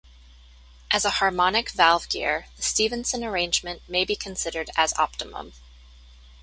As a harmonic valve gear, the Stephenson arrangement may be considered as optimum.